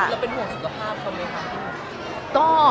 เราเป็นห่วงสุขภาพเขาไหมคะ